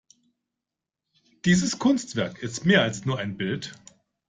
Dieses Kunstwerk ist mehr als nur ein Bild.